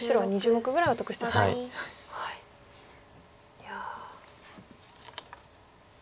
いや。